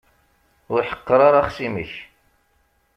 Ur ḥeqqeṛ ara axṣim-ik.